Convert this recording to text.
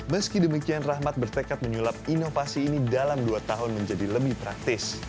meski demikian rahmat bertekad menyulap inovasi ini dalam dua tahun menjadi lebih praktis